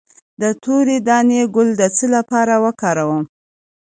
د تورې دانې ګل د څه لپاره وکاروم؟